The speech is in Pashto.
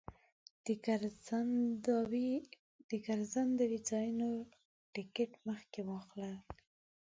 د ګرځندوی ځایونو ټکټ مخکې واخله.